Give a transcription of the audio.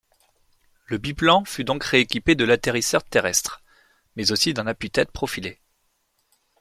Le biplan fut donc rééquipé d’un atterrisseur terrestre, mais aussi d’un appui-tête profilé.